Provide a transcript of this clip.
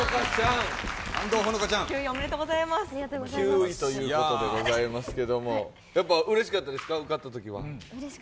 ９位ということでございますけど、やっぱうれしかったですか受かったときは。